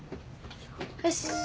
よし。